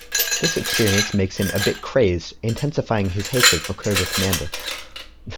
This experience makes him a bit crazed, intensifying his hatred for Cobra Commander.